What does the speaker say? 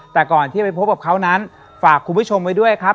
แต่ก่อนที่ไปพบกับเขานั้นฝากคุณผู้ชมไว้ด้วยครับ